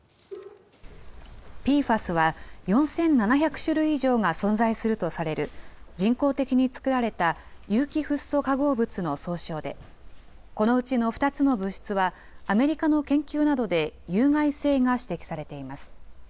ＰＦＡＳは４７００種類以上が存在するとされる人工的に作られた有機フッ素化合物の総称で、このうちの２つの物質は、アメリカの研究などで有害性が指摘されています。